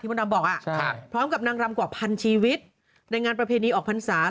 ที่พ่อนามบอกน่ะพร้อมกับนางรำกว่าพันชีวิตในงานประเพณีออกภัณฑ์ศาสตร์